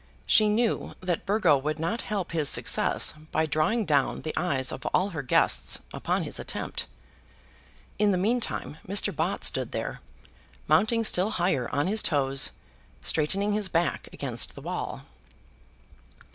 She knew that Burgo would not help his success by drawing down the eyes of all her guests upon his attempt. In the meantime Mr. Bott stood there, mounting still higher on his toes, straightening his back against the wall.